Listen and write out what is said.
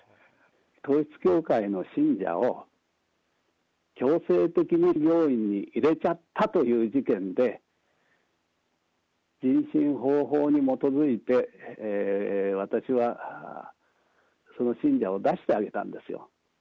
統一教会の信者を、強制的に病院に入れちゃったという事件で、人身保護法に基づいて、私はその信者を出してあげたんですよ。